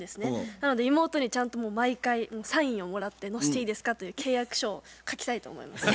なので妹にちゃんと毎回サインをもらって載せていいですかという契約書を書きたいと思いますね。